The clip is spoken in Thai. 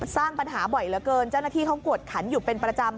สร้างปัญหาบ่อยเหลือเกินเจ้าหน้าที่เขากวดขันอยู่เป็นประจำ